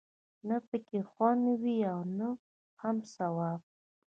نه پکې خوند وي او نه هم ثواب.